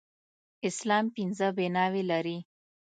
اسلام پنځه بناوې لري.